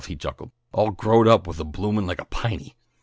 he chuckled. "All growed up and a bloomin' like a piney!